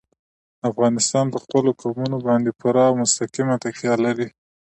افغانستان په خپلو قومونه باندې پوره او مستقیمه تکیه لري.